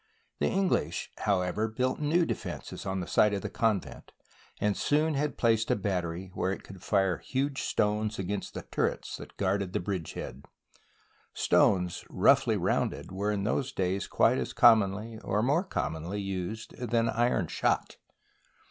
The English, however, built new defences on the site of the convent, and soon had placed a battery where it could fire huge stones against the turrets that guarded the bridge head. Stones, roughly rounded, were in those days quite as commonly, or more com monly used than iron shot.